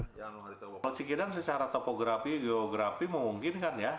kalau cikidang secara topografi geografi memungkinkan ya